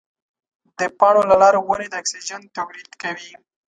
د پاڼو له لارې ونې د اکسیجن تولید کوي.